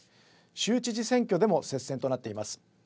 州知事選挙でも接戦となっています。